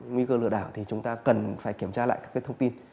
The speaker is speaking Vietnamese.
nguy cơ lừa đảo thì chúng ta cần phải kiểm tra lại các thông tin